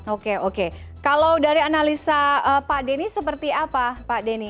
oke oke kalau dari analisa pak denny seperti apa